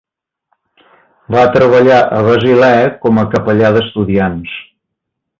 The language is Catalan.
Va treballar a Basilea com a capellà d'estudiants.